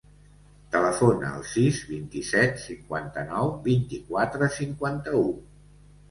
Telefona al sis, vint-i-set, cinquanta-nou, vint-i-quatre, cinquanta-u.